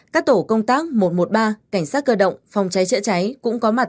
các tổ công tác một trăm một mươi ba cảnh sát cơ động phòng cháy chữa cháy cũng có mặt